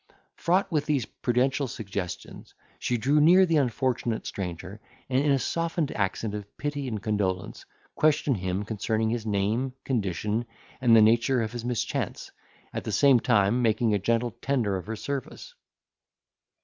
Fraught with these prudential suggestions, she drew near the unfortunate stranger, and, in a softened accent of pity and condolence, questioned him concerning his name, condition, and the nature of his mischance, at the same time making a gentle tender of her service.